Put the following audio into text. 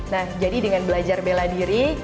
nah jadi dengan belajar bela diri